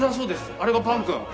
あれがパンくん。